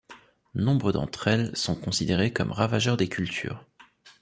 Nombre d'entre elles sont considérées comme ravageurs des cultures.